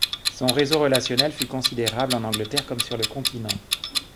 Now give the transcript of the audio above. Son réseau relationnel fut considérable, en Angleterre comme sur le continent.